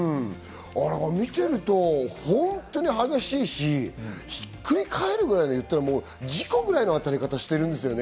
見てると本当に激しいし、ひっくり返るぐらい事故ぐらいの当たり方してるんですよね？